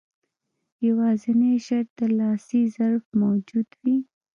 يوازنی شرط د ترلاسي ظرف موجود وي.